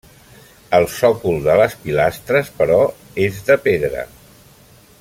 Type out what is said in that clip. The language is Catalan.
El sòcol de les pilastres, però, és de pedra.